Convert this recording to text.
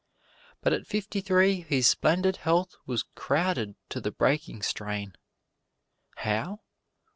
But at fifty three his splendid health was crowded to the breaking strain. How?